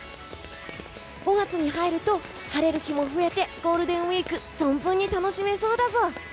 ５月に入ると、晴れる日も増えてゴールデンウィーク存分に楽しめそうだぞ！